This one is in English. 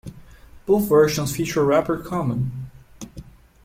Both versions feature rapper Common.